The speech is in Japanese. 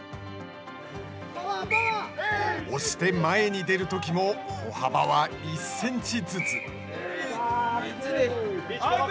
押して前に出るときも歩幅は１センチずつ。